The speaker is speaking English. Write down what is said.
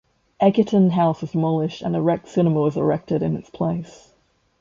Egerton House was demolished and the Rex Cinema was erected in its place.